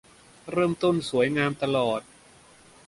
เริ่มต้นสวยงามตลอด